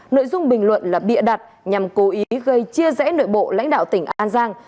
nội dung bình luận là bịa đặt nhằm cố ý gây chia rẽ nội bộ lãnh đạo tỉnh an giang